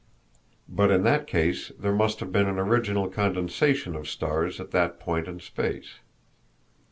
But in that case there must have been an original condensation of stars at that point in space.